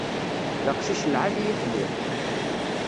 D aqcic n lεali i telliḍ.